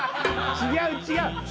違う違う！